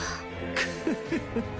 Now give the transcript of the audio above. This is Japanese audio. クフフフフ！